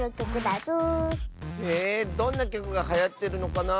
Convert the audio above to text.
へえどんなきょくがはやってるのかなあ。